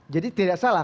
jadi tidak salah